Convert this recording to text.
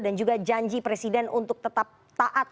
dan juga janji presiden untuk tetap taat